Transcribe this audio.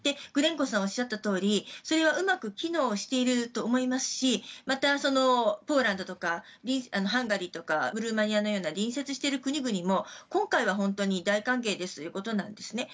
グレンコさんがおっしゃったとおりそれはうまく機能していると思いますしまた、ポーランドとかハンガリーとかルーマニアのような隣接している国々も今回は大歓迎ですということなんです。